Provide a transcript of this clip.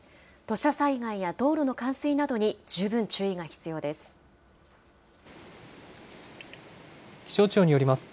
土砂災害や道路の冠水などに十分注意が必要です。